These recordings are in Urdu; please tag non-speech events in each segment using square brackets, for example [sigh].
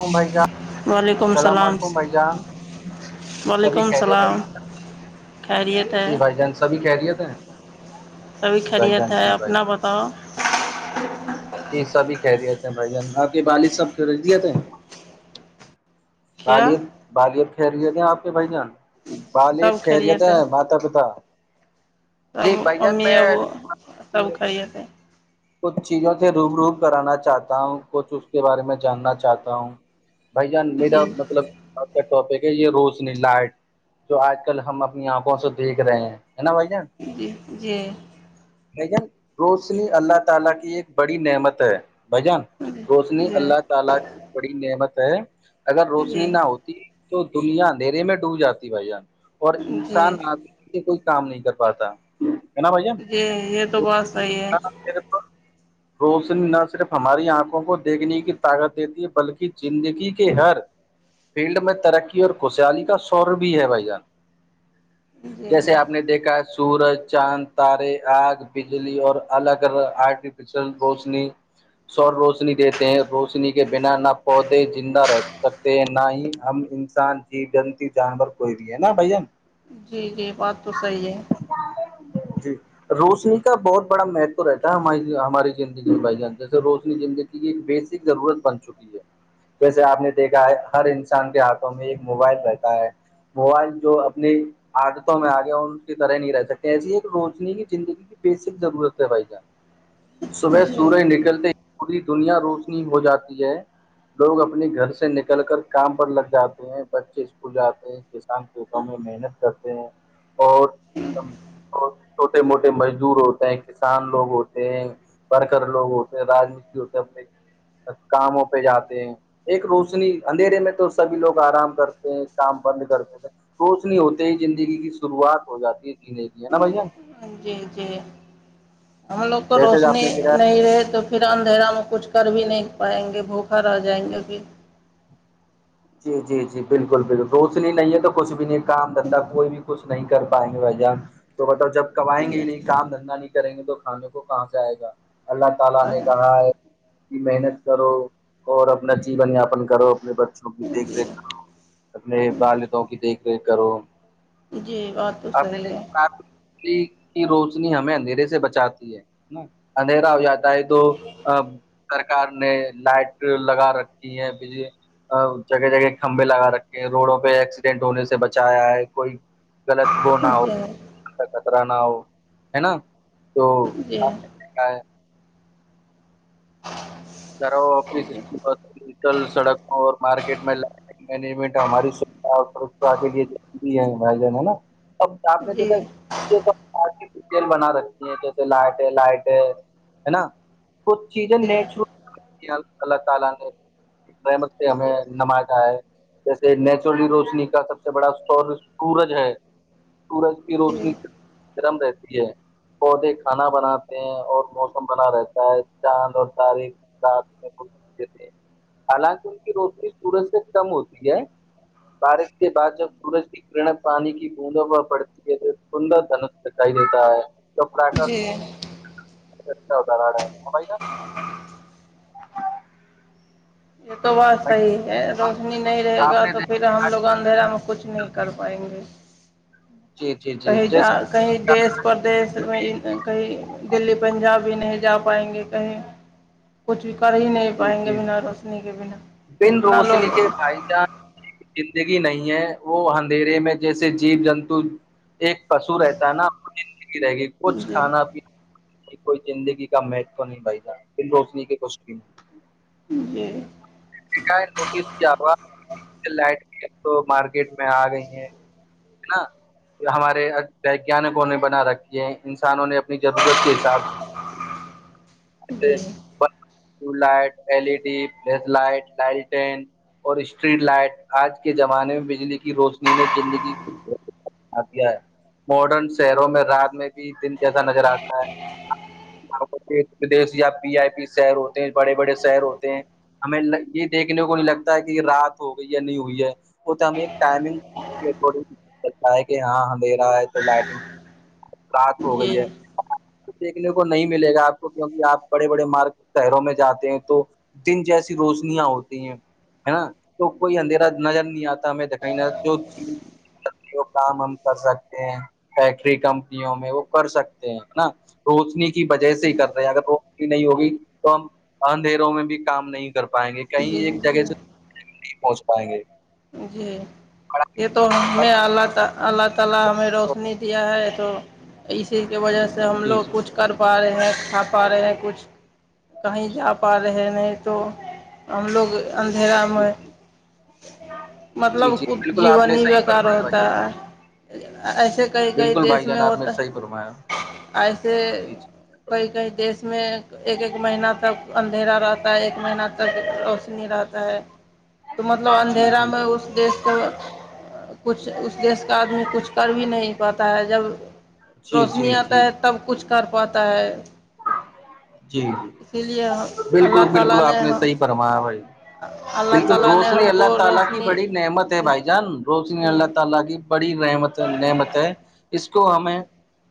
ل بھائی جان السلام علیکم بھائی جان سبھی وعلیکم خہریت السلام ہیں خیریت جی بھائی جان سبھی خہریت ہیں تبھی جی بھائی خریت جان ہے جی بھائی اپنا بتاؤ یہ سبھی کہہ دیے تھے بھ آ کے بالی سب خریدی تھ ہیں کیا غالیت بالیت خیریت ہیں آپ کے بھ جان بالغ سب خیریت ہے ہیں ماتا پتا سب جی بھائی جان ممی میں ابو سب خھریےتے ہیں کچھ چیزوں سے روب روب کرانا چاہتا ہوں کچھ اس کے بارے میں جاننا چاہتا ہوں بھ جان میرا جی مطلب آ کا ٹاپک ہے یہ روشنی لائٹ جو آج کل ہم اپنی آنکھوں سے دیکھ رہے ہیں ہے نا بھ جان جی جی [inaudible] [inaudible] جی جی جی تو دنیا اندھیرے میں ڈوب جاتی بھائی جان اور جی انسان آ کوئی کام نہیں کر پاتا ہے نا بھ جی یہ تو بات صحیح ہے روشنی نہ صرف ہماری آنکھوں کو دیکھنے کی طاقت دیتی ہے بلکہ زندگی کے ہر فیلڈ میں ترقی اور خوشحالی کا شور بھی ہے بھائی جان جی جیسے آپ نے دیکھا ہے سورج چاند تارے آگ بجلی اور الگ آرٹیفشل بس سور روشنی دیتے ہیں روشنی کے بنا نہ پودے زندہ رہ سکتے ہیں نہ ہی ہم ان انسان جی جنتی جانور کوئی بھی ہے نا بھائی جان جی جی بات تو صحیح ہے جی روشنی کا بہت بڑا مہتو رہتا ہماری زندگی میں بھائی جان جیسے روشنی زندگی کی ایک بیسک ضرورت بن چکی ہے جیسے آپ نے دیکھا ہے ہر انسان کے ہاتھوں میں ایک موبائل رہتا ہے موبائل جو اپنی عادتوں میں آگے کی طرح نہیں رہ سکتے ایسیے ایک روشنی کی زندگی بیسک ضرورت ہے بھائی جان صبح جی سورج نکلتے ہی پوری دنیا روشنی ہو جاتی ہے لوگ اپنے گھر سے نکل کر کام پر لگ جاتے ہیں بچے اسکول جاتے ہیں کسان کووکم میں محنت کرتے ہیں اور بت چھوٹے موٹے مزدور ہوتے ہیں کسان لوگ ہوتے پڑھ کر لوگ ہوتے ہیں را مستری ہوتے اپنے کاموں پہ جاتے ہیں ایک روشنی اندھیرے میں تو سبھی لوگ آرام کرتے ہیں کام بند کرتے ہیں کوچ نہیں ہوتے ہی زندگی کی شروعات ہو جاتی ہے جینے کی ہے نا بھیا جی جی ہم لوگ کو جیسے آپ روشنی نے کہا نہیں رہے تو پھر اندھیرا میں کچھ کر بھی نہیں پائیں گے بھوکھا رہ جائیں گے پھر جی جی جی بالکل بالکل روشنی نہیں ہے تو کچھ بھی نہیں کام دھندا کوئی بھی کچھ نہیں کر پائیں گے بھائی جان تو بتاؤ جب کائیں گے جی ہی نہیں کام دھندا نہیں کریں گے تو کھانے کو کہاں ج آئے گا اللہ تعالی نے ہاں کہا ہے کی محنت کرو اور اپنا جیون یاپن کرو اپنے بچوں کی دیکھ جی ریکھ کرو اپنے والد کی دیکھ ریکھ کرو جی بات تو آپ نے صحیح دیکھ ہے کی روشنی ہمیں اندھیرے سے بچاتی ہے نا اندھیراؤ جاتا ہے تو سرکار نے لائٹ لگا رکھی ہے بجلی جگہ جگہ کھمبے لگا رکھے ہیں روڈوں پہ ایکسیڈینٹ ہونے سے بچایا ہے کوئی غلط وہ نہ ہو جی کا خطرہ نہ ہو ہے نا تو جی جی کیا ہے را جی بکل سڑک اور مارکیٹ میں ل منیجمنٹ ہماری س سرا کے لیےی ہے بھائی جان ہے نا ا آپ نے دیکھا سب بنا رکھتی ہیں جیسے لائٹ ہے لائٹ ہے ہے نا وہ چیزیں جی نیچرل اللہ تعالی نے رحمت سے ہمیں نوازا ہے جیسے نیچرلی روشنی کا سب سے بڑا اسور سورج ہے سورج کی جی روشنی گرم رہتی ہے پودے کھانا بناتے ہیں اور موسم بنا رہتا ہے چاند اور تاریخ حالانکہ ان کی روشنی سورج سے کم ہوتی ہے بارش کے بعد جب سورج کی کرن پانی کی بوندوں پر پڑتی ہے تو سندر دھنس دکھائی دیتا ہے توا جی یہ ہوتا رہا کیا یہ تو بات بھائی صحیح ہے آپ روشنی نہیں رہے آپ گا نے تو پھر ہم دیکھا لوگ اندھیرا میں کچھ نہیں کر پائیں گے جی جی جی کہیں جیس جا کہیں دیس میں کہیں دلی پنجاب ہی نہیں جا پائیں گے کہیں کچھ بھی کر ہی نہیں جی پائیں گے جی بنا روشنی کے بنا بن کتنا لوگ روشنی [unintelligible] زندگی نہیں ہے وہ اندھیرے میں جیسے جیب جنتو ایک پشو رہتا ہے نا وہ زندگی رہے گی کچھ جی کھانا پینا کوئی زندگی کا مہتو نہیں بھائیجا پھر روشنی کے کو [inaudible] جی جی د ہے نوٹس کی آواز لائٹ تو مارکیٹ میں آ گئی ہیں ہاں ہمارے ویگانکوں نے بنا رکھیے ہیں انسانوں نے اپنی ضرورت کے حساب سے light L E D place light لائٹین اور اسٹریٹ لائٹ آج کے زمانے میں بجلی کی روشنی نے زندگی ماڈرن شہروں میں رات میں بھی دن جیسا نظر آتا ہے پرشدش یا پی آئی پی شہر ہوتے ہیں بڑے بڑے شہر ہوتے ہیں ہمیں یہ دیکھنے کو نہیں لگتا ہے کہ رات ہو گئی یا نہیں ہوئی ہے وہ تو ہمیں ایک ٹائمنگ گ ہے کہ ہاں ہمدھیرا ہے تو لائٹنگ رات کو ہو گئی جی ہے کچ دیکھنے کو نہیں ملے گا آپ کو کیوںکہ آپ بڑے بڑے مارگ شہروں میں جاتے ہیں تو دن جیسی روشنیاں ہوتی ہیں ہے نا تو کوئی اندھیرا نظر نہیں آتا ہمیں دائی جو کام ہم کر سکتے ہیں فیکٹری کمپنیوں میں وہ کر سکتے ہیں نا روشنی کی وجہ سے ہی کر رہے ہیں اگر روشنی نہیں ہوگی تو ہم اندھیروں میں بھی کام نہیں کر پائیں گے کہیں جی ایک جگہ سے پہنچ پائیں گے جی یہ تو میں اللہ تو اسی کی وجہ سے ہم جی لوگ جی کچھ کر پا رہے ہیں کھا پا رہے ہیں کچھ کہیں جا پا رہے نہیں تو ہم لوگ اندھیرا جی میں جی جی مطلب جی کچھ بالکل آپ جیون نے ہی صحیح بیکار فرمایا بھائی ہوتا جان ہے ایسے کئی کئی بالکل دیس بھائی میں جان آپ نے ہوتا صحیح فرمایا ایسے جی کئی کئی دیش میں ایک ایک مہینہ تک اندھیرا رہتا ہے ایک مہینہ تک روشنی رہتا ہے تو مطلب جی جی اندھیرا جی میں اس جی دیش سے کچھ اس دیش کا آدمی کچھ کر بھی نہیں پاتا ہے جب جی جی روشنی جی آتا جی ہے تب کچھ کر پاتا ہے جی جی اسی لیے بالکل اللہ تعالی بالکل آپ نے صحیح فرمایا بھائی اللہ بالکل تعالی نے روشنی ہم کو اللہ روشنی بڑی جی نحمت نعمت ہے اس کو ہمیں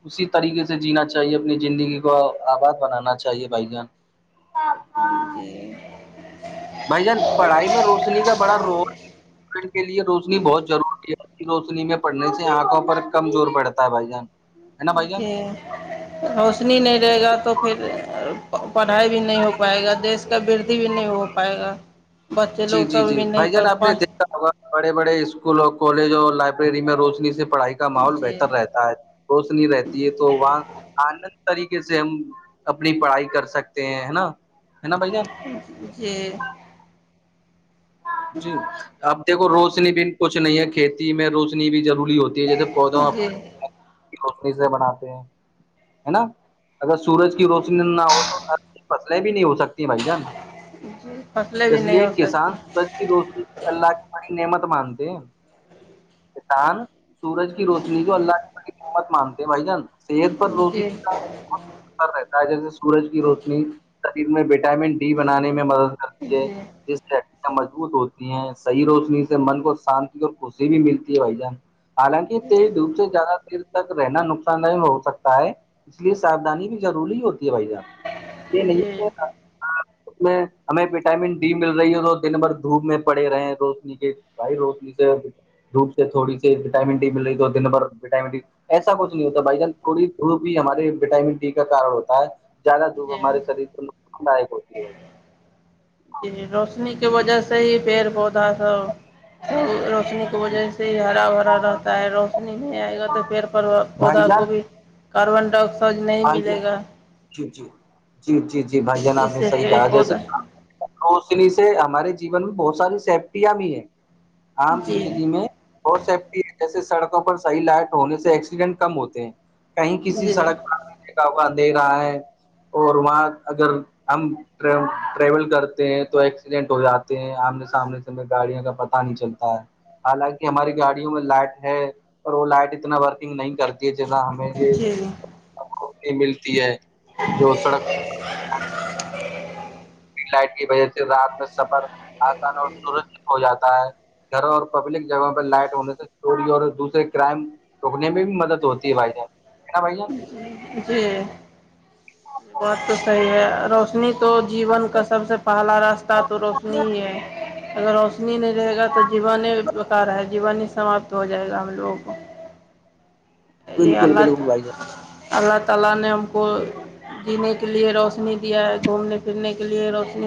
اسی طریقے سے جینا چاہیے اپنی زندگی کو آباد بنانا چاہیے بھائی جان ہ جی بھائی جان پڑھائی میں روشنی کا بڑا رول ب کے لیے روشنی بہت ضروری ہے روشنی میں پڑنے سے آنکھوں پر کمزور پڑتا ہے بھائی جان ہے نا بھائی جان جی ہوشنی نہیں رہے گا تو پھر پڑھائی بھی نہیں ہوگ پائے گا دیش کا ودی بھی نہیں ہو پائے گا بچے جی لوگ جی سب جی بھی نہیں بھائی پ جان آپ پ نے بڑے بڑے اسکول اور کالجوں اور لائبریری میں روشنی سے پڑھائی کا ماحول جی بہتر رہتا ہے روشنی رہتی ہے تو وہاں آنند طریقے سے ہم اپنی پڑھائی کر سکتے ہیں ہے نا ہے نا بھائی جان ج جی اب دیکھو روشنی بھی کچھ نہیں ہے کھیتی میں روشنی بھی ضروری ہوتی ج جیے پودوں جی جی روشنی سے بناتے ہیں نا اگر سورج کی روشنی نہ ہو تو فصلیں بھی نہیں ہو سکتی بھائی جان فصلیں بھی اس نہیں لیے ہو کسان سکتی سچی دوستی اللہ کی باری نعمت مانتے ہیں کسان سورج کی روشنی کو جی اللہ نے بڑی مت مانتے ہیں بھائی جان صحت پر جی روشنی جی کا رہتا ہے جیسے سورج کی روشنی شریر میں وٹامن بنانے میں مدد کرتی ہے جس سے مضبوط ہوتی ہیں صحی روشنی سے من کو شانتی اور خوشی بھی ملتی ہے بھائی جان حالانکہ دھپ سے زیادہ تک رہنا نقصان دہ ہو سکتا ہے اس لیے سادانی بھی ضوری ہوتی بھائی جانح یہ نہیں جی اس میں ہمیں وٹامن ڈی مل رہی ہے تو نمبر دھوپ میں پڑے رہے ہیں روشنی کے بھائی روشنی سے دوپ سے تھوڑی سی وٹامن ڈی مل رہی تو دن بھر وٹامن ڈ ایسا کچھ نہیں ہوتا بھائی جان تھوڑی تھو بھی ہمارے وٹامن ڈی کا کار ہوتا ہے زیادہ دھوھ جی ہمارےریر پ نصان دائک ہوتی ہے روشنی کے وجہ سے ہی پیڑ پودا سب روشنی وجہ سے ہی ہرا بھرا رہتا ہے روشنی نہیں آئے گا تو پھر بھائی پودا جان کو بھی کاربن ڈائی آکسائڈ نہیں بھائی ملے جان گا جی جی جی جی جی بھائی جان آپ اس نے سے صح پیڑ کہا جیسے پودا روشنی سے ہمارے جیون میں بہت ساری سیفٹیاں بھی ہیں عام جی زندگی میں [unintelligible] بہت سیفٹی ہے جیسے سڑکوں پر صحی لائٹ ہونے سے ایکسیڈنٹ کم ہوتے ہیں [unintelligible] کہیں کسی جی سڑک پر دا ہوا دے رہا ہے اور وہاں اگر ہم ٹریول کر تو ایکسیڈنٹ ہو جاتے ہیں آمنے سامنے سےیں گاڑیوں کا پتا نہیں چلتا ہے [unintelligible] حالانکہ ہماری گاڑیوں میں لائٹ ہے اور وہ لائٹ اتنا ورکنگ نہیں کرتی ہے جنا [unintelligible] جی متی ملتی ہے جو سڑک [unintelligible] فلائٹ کی وجہ سے رات میں سفر آسان اور سرچ ہو جاتا [unintelligible] گھروں اور پبلک جگہ پہ لائٹ ہونے سے چوری اور دوسرے کرائم [unintelligible] روکنے میں بھی مدد ہوتی ہے بھائی جان ہے نا بھائی جان جی بات تو صحیح ہے روشنی [unintelligible] تو جیون کا سب سے پہلا راستہ تو روشنی ہی ہے اگر روشنی نہیں رہے گا تو جیوانی بکار ہے جیوانی سماپت تو ہو جائے گا ہم لوگوں کو یہ بالکل حالات بالکل بھائی [unintelligible] کے لیے روشنی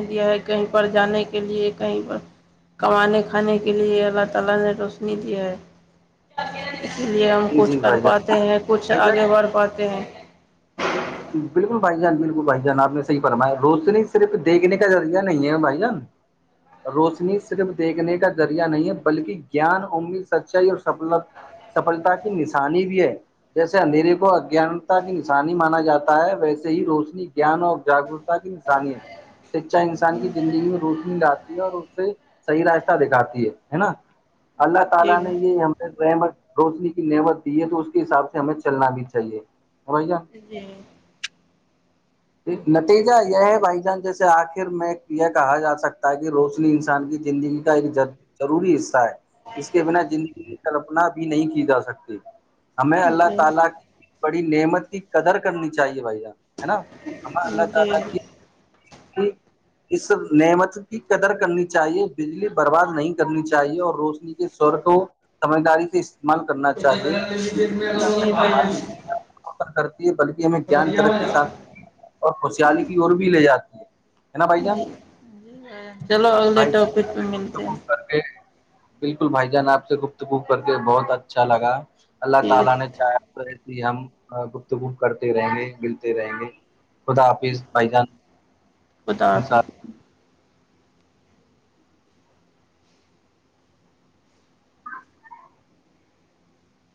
دیا ہے کہیں پر جانے کے لیے کہیں پر [unintelligible] اسی لیے ہم جان جی کچھ جی کر بھائی جان پاتے ہیں کچھ بھائی آگے بڑھ پاتے ہیں بالکل بھائی جان بالکل بھائی جان آپ نے صحی فرمایا روشنی صرف دیکھنے کا ذریعہ نہیں ہے بھائی جان [unintelligible] روشنی صرف دیکھنے کا ذریعہ نہیں ہے بلکہ جان امید سچائی اور سفل سفلتا کی نشانی بھی ہے جیسے اندھیریے کو اجانتا کی نشانی [unintelligible] مانا جاتا ہے ویسے ہی روشنی جان اور جاگروکتا کی نشانی ہے شکچھا انسان کی زندگی میں روشنی لاتی ہے اور اس سے [unintelligible] [unintelligible] نعمت جی روشنی کی نعمت دی ہے تو اس کے حساب سے ہمیں چلنا بھی چاہیے بھیا [unintelligible] جی [inaudible] نتیجہ یہ ہے بھائی جان جیسے آخر میں یہ کہا جا سکتا ہے کہ روشنی انسان کی زندگی ایک ضروری حصہ ہے اس کے بنا زندگی کی کلپنا بھی نہیں کی جا سکتی [unintelligible] جی [unintelligible] جی جی [unintelligible] اس نعمت کی قدر کرنی چاہیے بجلی برباد نہیں کرنی چاہیے اور روشنی کے سوور کو سمجھداری سے اس استعمال کرنا چاہیے جی [unintelligible] ر کرتی ہے بلکہ ہمیں گیان ترقی ساتھ اور خوشحالی کی اور بھی لے جاتی ہےا بائی جان چلو اگلے بھائی جان ٹاپک پہ آپ سے ملتے ہیں گفتگو کر بالکل بھائی جان آپ سے گفت گوب کر کے بہت اچھا لگا [unintelligible] ٹھیک ہے [unintelligible] ایس ہی ہم گفتگو کرتے رہیں گے ملتے رہیں گے خدا حافظ بائی جان بتا کے انشاء [unintelligible]